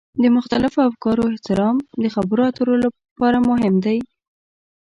د مختلفو افکارو احترام د خبرو اترو لپاره مهم دی.